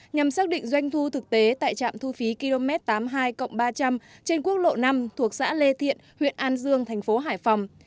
nhằm xác định doanh thu thực tế tại trạm thu phí km tám mươi hai ba trăm linh trên quốc lộ năm thuộc xã lê thiện huyện an dương thành phố hải phòng